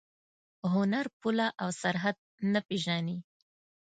هنر پوله او سرحد نه پېژني.